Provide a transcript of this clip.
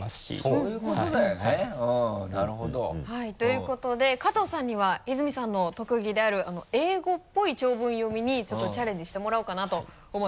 そういうことだよねなるほど。ということで加藤さんには泉さんの特技である英語っぽい長文読みにちょっとチャレンジしてもらおうかなと思います。